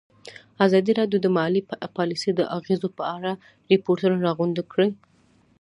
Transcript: ازادي راډیو د مالي پالیسي د اغېزو په اړه ریپوټونه راغونډ کړي.